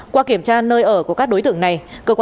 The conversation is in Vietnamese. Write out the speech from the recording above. qua kiểm tra nơi ở của các đối tượng này